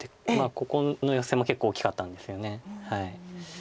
ここのヨセも結構大きかったんですよね。